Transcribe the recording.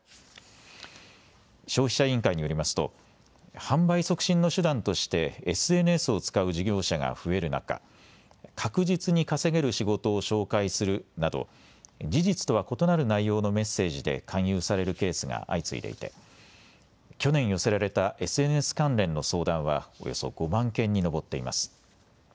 消費者委員会によりますと販売促進の手段としてＳＮＳを使う事業者が増える中、確実に稼げる仕事を紹介するなど事実とは異なる内容のメッセージで勧誘されるケースが相次いでいて去年寄せられたＳＮＳ関連の相談はおよそ５万件に上っています。